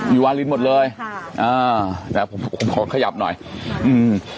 อยู่วาลินหมดเลยอ่าแต่ผมขอขยับหน่อยอืม